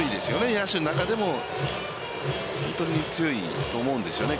野手の中でも本当に強いと思うんですよね。